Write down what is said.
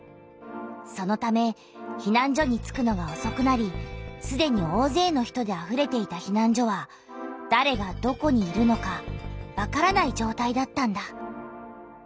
そのためひなん所に着くのがおそくなりすでにおおぜいの人であふれていたひなん所はだれがどこにいるのかわからないじょうたいだったんだ。